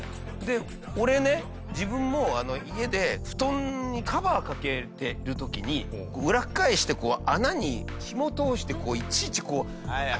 で俺ね自分も家で布団にカバーかけてる時に裏っ返して穴にひも通していちいちこう。